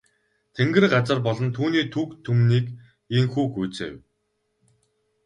Тэнгэр газар болон түүний түг түмнийг ийнхүү гүйцээв.